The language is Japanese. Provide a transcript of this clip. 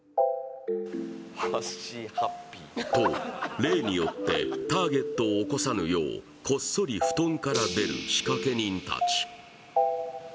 と例によってターゲットをお起こさぬよう、こっそり布団から出る仕掛け人たち。